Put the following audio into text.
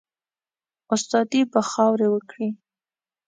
استادي به خاوري وکړې